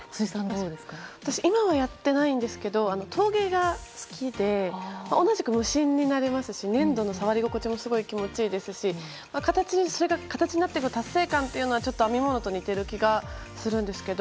私、今はやっていないんですけど陶芸が好きで同じく無心になれますし粘土の触り心地もすごい気持ちいいですし形になっていく達成感というのは編み物と似ている気がするんですけど